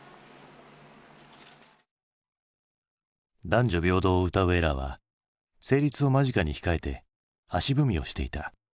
男女平等をうたうＥＲＡは成立を間近に控えて足踏みをしていた。